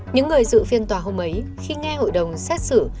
những người dự phiên tòa hôm ấy khi nghe hội đồng xét xử